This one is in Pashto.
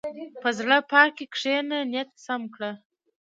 په زړه پاکۍ کښېنه، نیت سم کړه.